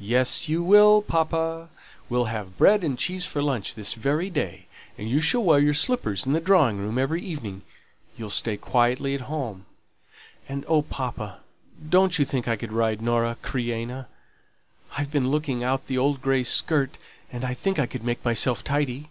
"Yes, you will, papa. We'll have bread and cheese for lunch this very day. And you shall wear your slippers in the drawing room every evening you'll stay quietly at home; and oh, papa, don't you think I could ride Nora Creina? I've been looking out the old grey skirt, and I think I could make myself tidy."